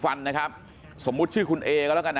มันต้องการมาหาเรื่องมันจะมาแทงนะ